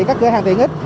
các cửa hàng thiết yếu